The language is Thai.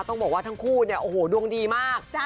ต้องบอกว่าทั้งคู่เนี่ยโอ้โหดวงดีมาก